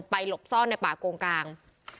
หลบซ่อนในป่าโกงกลาง